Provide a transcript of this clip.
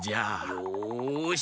よし！